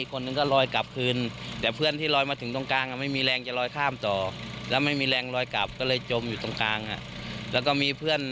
อีกคนนึงก็ลอยกลับคืน